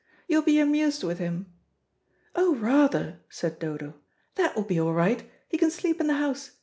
You'll be amused with him." "Oh, rather," said Dodo; "that will be all right. He can sleep in the house.